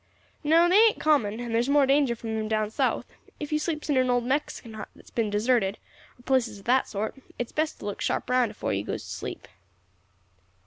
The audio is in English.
"No, they ain't common, and there's more danger from them down south; if you sleeps in an old Mexican hut that's been deserted, or places of that sort, it's best to look sharp round afore you goes to sleep."